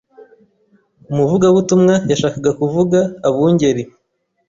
Umuvugabutumwa yashakaga kuvuga abungeri